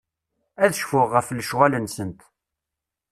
Ad cfuɣ ɣef lecɣal-nsent.